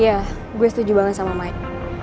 ya gue setuju banget sama maik